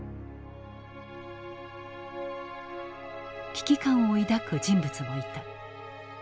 危機感を抱く人物もいた。